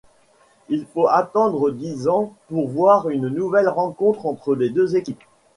Il faut attendre dix ans pour voir une nouvelle rencontre entre les deux équipes.